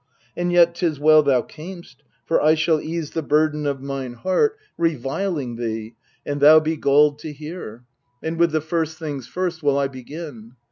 And yet 'tis well thou cam'st, For I shall ease the burden of mine heart MEDEA 259 Reviling thee, and thou be galled to hear. And with the first things first will I begin.